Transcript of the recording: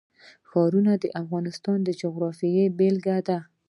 ښارونه د افغانستان د جغرافیې بېلګه ده.